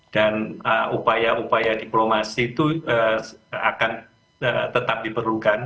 dan upaya upaya diplomasi itu akan tetap diperlukan